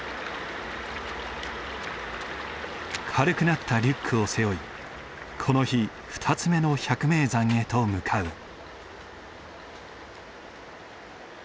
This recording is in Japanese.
軽くなったリュックを背負いこの日２つ目の百名山へと向かう。